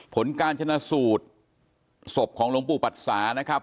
ผลการชนะสูตรศพของหลวงปู่ปัจสานะครับ